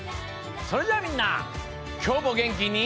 それじゃあみんなきょうもげんきに。